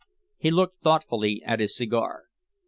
He looked thoughtfully at his cigar.